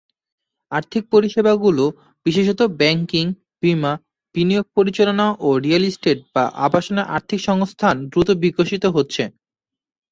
আর্থিক পরিষেবাগুলি, বিশেষত ব্যাংকিং, বীমা, বিনিয়োগ পরিচালনা ও রিয়েল এস্টেট বা আবাসনের আর্থিক সংস্থান দ্রুত বিকশিত হচ্ছে।